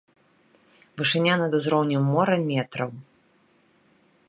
Вышыня над узроўнем мора метраў.